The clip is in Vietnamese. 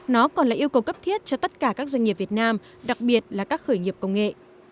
nó còn là yêu cầu cấp thiết cho tất cả các doanh nghiệp việt nam đặc biệt là các khởi nghiệp công nghệ